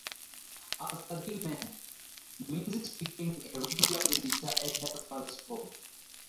After they met, Menzies became a regular visitor at her father's home.